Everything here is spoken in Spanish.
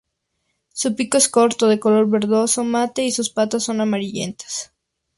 Su pico es corto, de color verdoso mate, y sus patas son amarillentas.